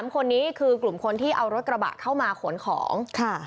๓คนนี้คือกลุ่มคนที่เอารถกระบะเข้ามาขนของ